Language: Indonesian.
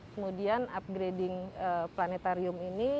kemudian upgrading planetarium ini